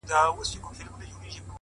• څه کلونه بېخبره وم له ځانه,